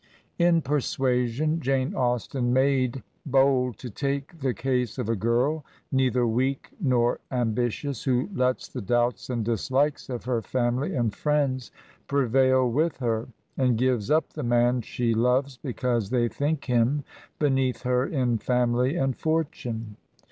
In "Persuasion'' Jane Austen made bold to take the case of a girl, neither weak nor ambitious, who lets the doubts and dislikes of her family and friends prevail with her, and gives up the man she loves because they think him beneath her in family and fortune.